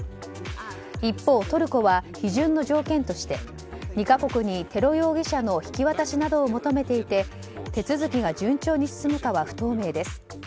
一方、トルコは批准の条件として２か国にテロ容疑者の引き渡しなどを求めていて手続きが順調に進むかは不透明です。